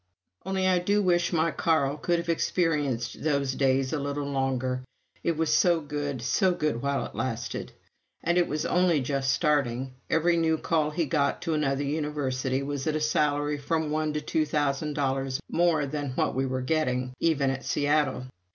Only I do wish my Carl could have experienced those joys a little longer. It was so good so good, while it lasted! And it was only just starting. Every new call he got to another university was at a salary from one to two thousand dollars more than what we were getting, even at Seattle.